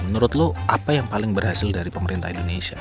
menurut lo apa yang paling berhasil dari pemerintah indonesia